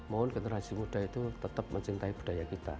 mohon generasi muda itu tetap mencintai budaya kita